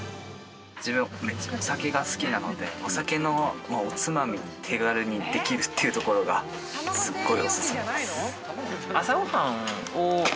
自分お酒が好きなのでお酒のおつまみが手軽にできるっていうところがすっごいおすすめです。